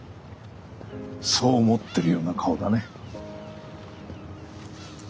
そう思ってるような顔だね。